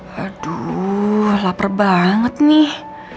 aduh laper banget nih